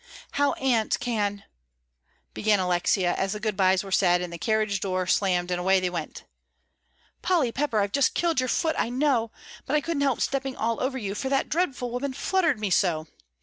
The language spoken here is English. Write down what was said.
"How Aunt can " began Alexia, as the good bys were said and the carriage door slammed and away they went. "Polly Pepper, I've just killed your foot, I know, but I couldn't help stepping all over you, for that dreadful woman fluttered me so.